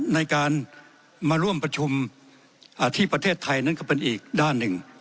ในการมาร่วมประชุมที่ประเทศไทยนั้นก็เป็นอีกด้านหนึ่ง